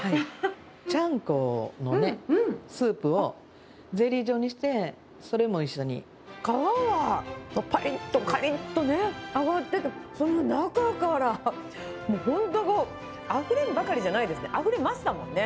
ちゃんこのね、スープをゼリー状にして、皮はぱりっとかりっとね、揚がってて、その中からもう本当、こう、あふれんばかりじゃないですね、あふれましたもんね。